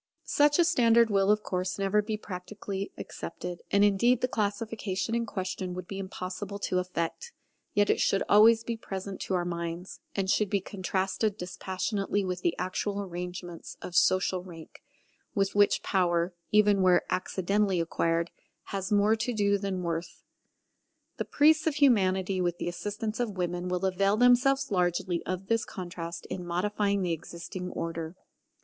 Such a standard will of course never be practically accepted, and indeed the classification in question would be impossible to effect: yet it should always be present to our minds; and should be contrasted dispassionately with the actual arrangements of social rank, with which power, even where accidentally acquired, has more to do than worth. The priests of Humanity with the assistance of women will avail themselves largely of this contrast in modifying the existing order.